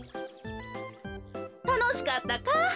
たのしかったか？